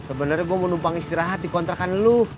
sebenernya gue mau numpang istirahat di kontrakan lu